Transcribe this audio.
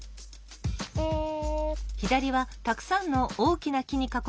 うん。